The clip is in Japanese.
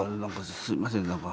すいません何か。